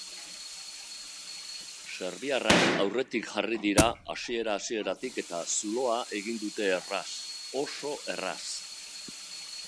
Serbiarrak aurretik jarri dira hasiera-hasieratik eta zuloa egin dute erraz, oso erraz.